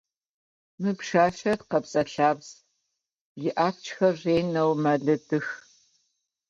Мы пшъашъэр къэбзэ-лъабз, иапчхэр ренэу мэлыдых.